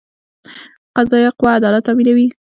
قضایه قوه عدالت تامینوي